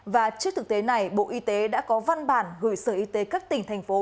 và trước thực tế này bộ y tế đã có văn bản gửi sở y tế các tỉnh thành phố